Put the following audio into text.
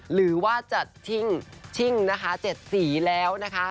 หรือว่าจะชิ่งนะคะ๗สีแล้วนะคะ